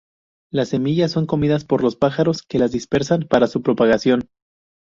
Las semillas son comidas por los pájaros que las dispersan para su propagación.